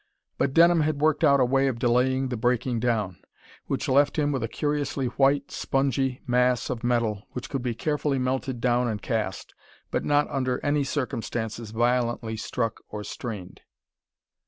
But Denham had worked out a way of delaying the breaking down, which left him with a curiously white, spongy mass of metal which could be carefully melted down and cast, but not under any circumstances violently struck or strained.